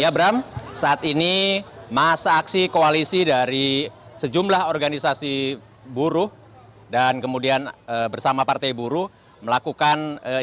ya bram saat ini masa aksi koalisi dari sejumlah organisasi buruh dan kemudian bersama partai buruh melakukan